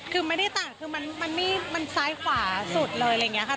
คือไม่ได้ต่างคือมันซ้ายขวาสุดเลยอะไรอย่างนี้ค่ะ